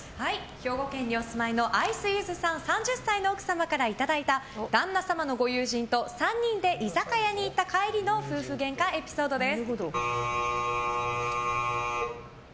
兵庫県にお住まいのアイスゆずさん、３０歳の奥様からいただいた旦那様のご友人と３人で居酒屋に行った帰りの夫婦ゲンカエピソードです。